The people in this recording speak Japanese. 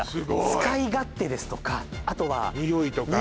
使い勝手ですとかあとはニオイとか？